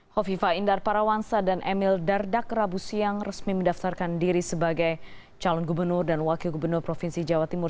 hovifa indar parawansa dan emil dardak rabu siang resmi mendaftarkan diri sebagai calon gubernur dan wakil gubernur provinsi jawa timur